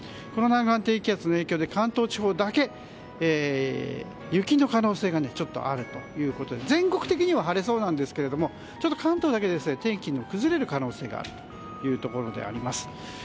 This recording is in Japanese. この南岸低気圧の影響で関東地方だけ雪の可能性がちょっとあるということで全国的には晴れそうなんですけどちょっと関東だけ、天気が崩れる可能性があるというところです。